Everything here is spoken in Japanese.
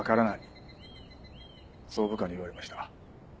そう部下に言われました。